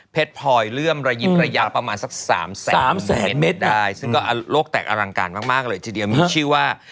เพชรพอยเรื่อมระยิบระยับประมาณสัก๓แสนเม็ดได้ซึ่งก็โลกแตกอลังการมากเลยทีเดียวมีชื่อว่า